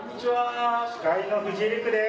司会の藤井陸です。